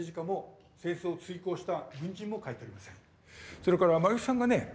それから丸木さんがね